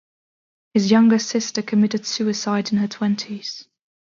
His younger sister committed suicide in her twenties.